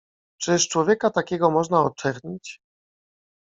"Czyż człowieka takiego można oczernić?"